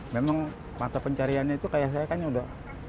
memang mata pencariannya itu kayak saya kan udah